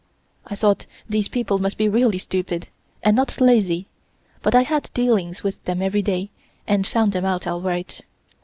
I thought these people must be really stupid, and not lazy, but I had dealings with them every day and found them out all right.